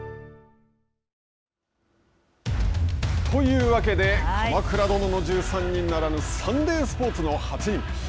というわけで「鎌倉殿の１３人」ならぬ「サンデースポーツの８人」。